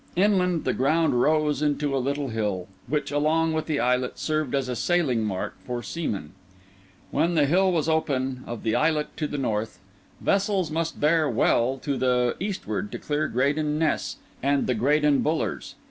Inland the ground rose into a little hill, which, along with the islet, served as a sailing mark for seamen. When the hill was open of the islet to the north, vessels must bear well to the eastward to clear Graden Ness and the Graden Bullers.